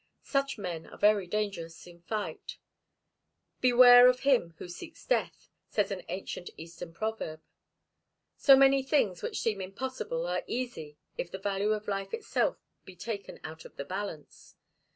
Such men are very dangerous in fight. 'Beware of him who seeks death,' says an ancient Eastern proverb. So many things which seem impossible are easy if the value of life itself be taken out of the balance.